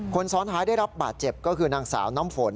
คนซ้อนท้ายได้รับบาดเจ็บก็คือนางสาวน้ำฝน